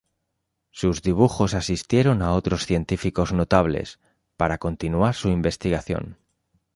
Sus dibujos asistieron a otros científicos notables, para continuar su investigación.